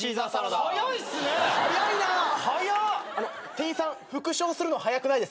店員さん復唱するの早くないですか？